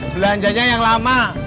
belanjanya yang lama